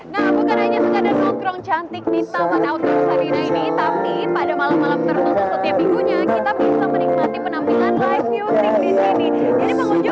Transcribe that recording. nah bukan hanya sekadar nongkrong cantik di taman outdoor sarinah ini tapi pada malam malam tertutup setiap minggu